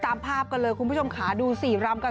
ตามภาพคุณผู้ชมขานว์ดูสีรำ